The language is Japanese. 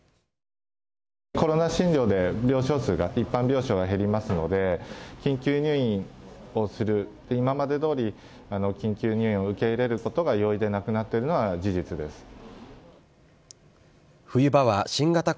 コロナ診療で病床数が、一般病床が減りますので、緊急入院をする、今までどおり緊急入院を受け入れることが容易でなくなってるのは事実です。